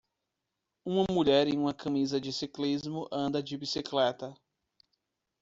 Uma mulher em uma camisa de ciclismo anda de bicicleta